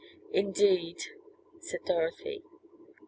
"Indeed," said Dorothy.